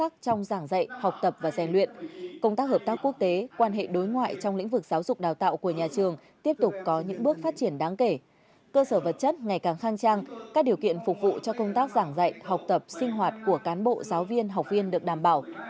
cơ sở vật chất ngày càng khang trang các điều kiện phục vụ cho công tác giảng dạy học tập sinh hoạt của cán bộ giáo viên học viên được đảm bảo